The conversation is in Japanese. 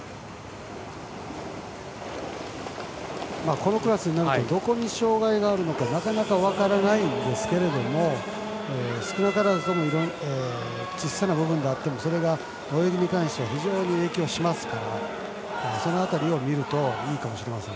このクラスになるとどこに障害があるのかなかなか分からないんですけども少なからず小さな部分であっても泳ぎに関しては影響しますからその辺りを見るといいかもしれません。